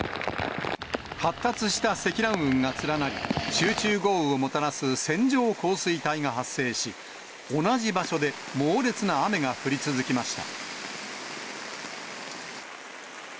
発達した積乱雲が連なり、集中豪雨をもたらす線状降水帯が発生し、同じ場所で猛烈な雨が降り続きました。